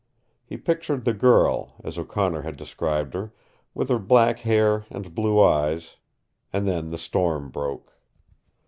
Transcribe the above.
He pictured the girl, as O'Connor had described her, with her black hair and blue eyes and then the storm broke.